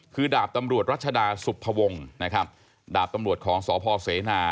คือดาบตำรวจรัชดาสุภวงนะครับดาบตำรวจของสพเสนา